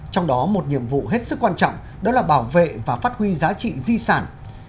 trong đó một nhiệm vụ hết sức quan trọng đó là bảo vệ và phát huy giá trị di sản